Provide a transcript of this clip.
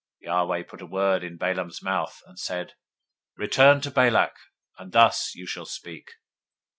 023:005 Yahweh put a word in Balaam's mouth, and said, Return to Balak, and thus you shall speak.